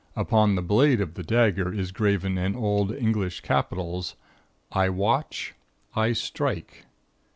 Upon the blade of the dagger is graven in old English capitals: I WATCH. I STRIKE.